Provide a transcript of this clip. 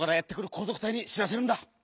こうぞくたいにしらせるんだ！